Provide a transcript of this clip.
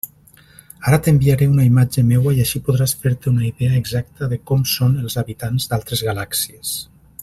Ara t'enviaré una imatge meua i així podràs fer-te una idea exacta de com són els habitants d'altres galàxies.